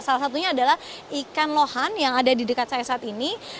salah satunya adalah ikan lohan yang ada di dekat saya saat ini